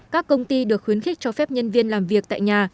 các công ty được khuyến khích cho phép nhân viên làm việc tại nhà